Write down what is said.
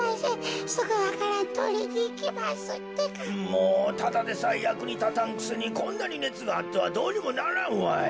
もうただでさえやくにたたんくせにこんなにねつがあってはどうにもならんわい。